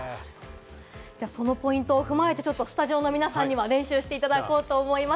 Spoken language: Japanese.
そのポイントを踏まえて、スタジオの皆さんには練習していただこうと思います。